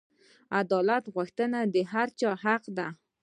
عدالت غوښتنه د هر چا حق دی.